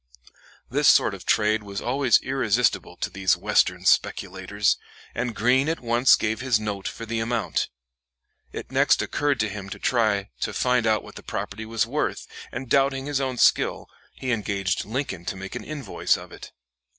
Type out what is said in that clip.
This sort of trade was always irresistible to these Western speculators, and Greene at once gave his note for the amount. It next occurred to him to try to find out what the property was worth, and doubting his own skill, he engaged Lincoln to make an invoice of it.